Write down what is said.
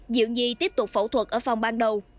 diệu nhi tiếp tục phẫu thuật ở phòng ban đầu